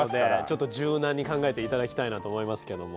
ちょっと柔軟に考えて頂きたいなと思いますけども。